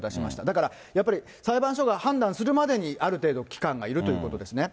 だからやっぱり、裁判所が判断するまでに、ある程度、期間がいるということですね。